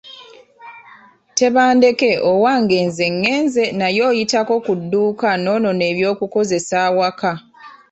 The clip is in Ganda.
Tebandeke owange nze ngenze naye oyitako ku dduuka n’onona eby’okukozesa awaka.